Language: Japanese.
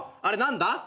あれ何だ？